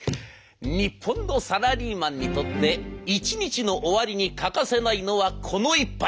日本のサラリーマンにとって一日の終わりに欠かせないのはこの１杯。